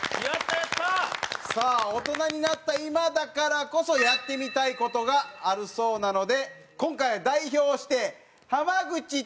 さあ大人になった今だからこそやってみたい事があるそうなので今回は代表して濱口と小杉のをやってもらいます。